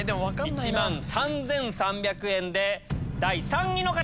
１万３３００円で第３位の方！